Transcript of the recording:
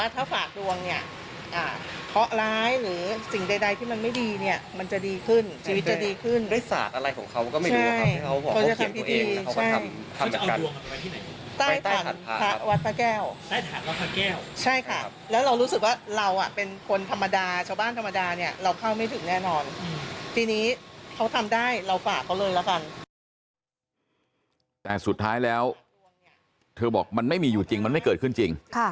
แต่สุดท้ายแล้วเธอบอกมันไม่มีอยู่จริงมันไม่เกิดขึ้นจริง